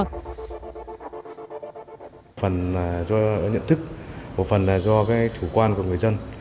một phần là do nhận thức một phần là do chủ quan của người dân